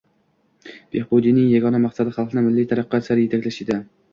Behbudiyning yagona maqsadi xalqni milliy taraqqiyot sari yetaklash edi